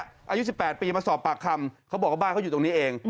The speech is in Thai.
อายุ๑๘ปีมาสอบปากคำเขาบอกว่าบ้านเขาอยู่ตรงนี้เอง